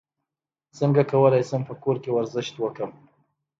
څنګه کولی شم په کور کې ورزش وکړم